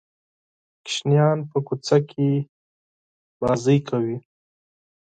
ماشومان په کوڅه کې لوبې کوي.